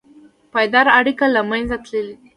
پایداره اړیکې له منځه تللي دي.